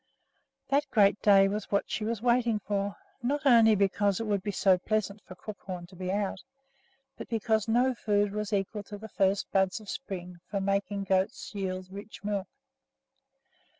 That great day was what she was waiting for, not only because it would be so pleasant for Crookhorn to be out, but because no food was equal to the first buds of spring for making goats yield rich milk.